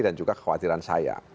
dan juga kekhawatiran saya